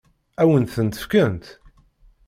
Ad wen-tent-fkent?